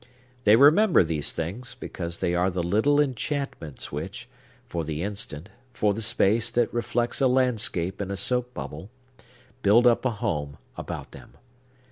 They remember these things, because they are the little enchantments which, for the instant,—for the space that reflects a landscape in a soap bubble,—build up a home about them.